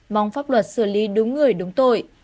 mong pháp luật xử lý đúng người đúng tội